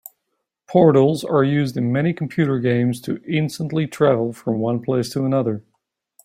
Portals are used in many computer games to instantly travel from one place to another.